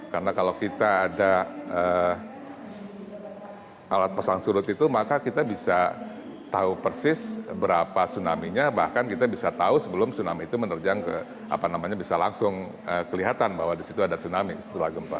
karena kalau kita ada alat pasang surut itu maka kita bisa tahu persis berapa tsunami nya bahkan kita bisa tahu sebelum tsunami itu menerjang ke apa namanya bisa langsung kelihatan bahwa disitu ada tsunami setelah gempa